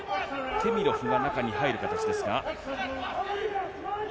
テミロフが中に入る形ですが。